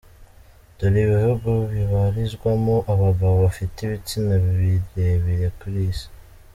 Dore ibihugu bibarizwamo abagabo bafite ibitsina birebire ku isi :.